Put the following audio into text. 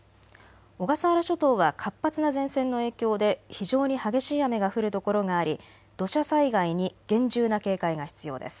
小笠原諸島は活発な前線の影響で非常に激しい雨が降る所があり土砂災害に厳重な警戒が必要です。